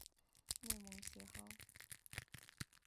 内蒙邪蒿